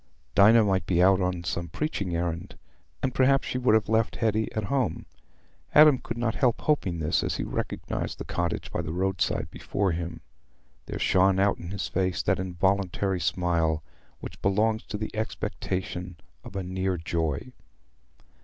Dinah might be out on some preaching errand, and perhaps she would have left Hetty at home. Adam could not help hoping this, and as he recognized the cottage by the roadside before him, there shone out in his face that involuntary smile which belongs to the expectation of a near joy.